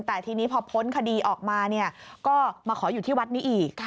แต่ทีนี้พอพ้นคดีออกมาก็มาขออยู่ที่วัดนี้อีก